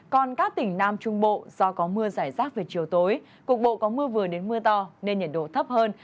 còn các tỉnh nam trung bộ do có mưa giải rác về chiều tối cục bộ có mưa vừa đến mưa to nên nhiệt độ thấp hơn